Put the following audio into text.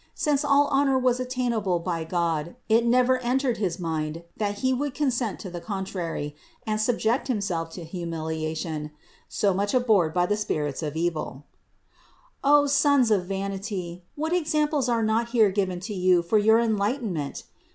Since all honor was attain able by God, it never entered his mind, that He would consent to the contrary and subject Himself to humilia tion, so much abhorred by the spirits of evil. 503. O sons of vanity! What examples are not here given to you for your enlightenment!